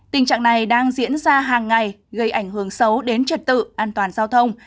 tình trạng này đang diễn ra hàng ngày gây ảnh hưởng xấu đến trật tự an toàn giao thông